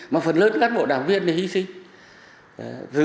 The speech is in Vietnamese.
mà phần lớn các bộ đảng viên thì hy sinh